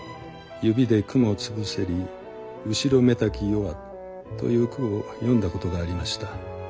「指で蜘蛛潰せり後ろめたき夜は」という句を詠んだことがありました。